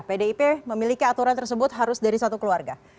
pdip memiliki aturan tersebut harus dari satu keluarga